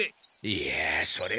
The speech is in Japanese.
いやそれ